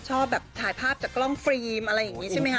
ชอบแบบถ่ายภาพจากกล้องฟรีมอะไรอย่างนี้ใช่ไหมคะ